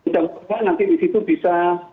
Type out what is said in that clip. dan nanti di situ bisa